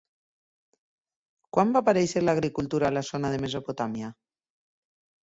Quan va aparèixer l'agricultura a la zona de Mesopotàmia?